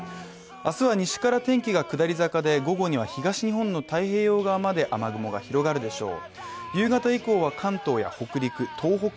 明日は西から天気が下り坂で、午後には東日本の太平洋側まで雨雲が広がるでしょう。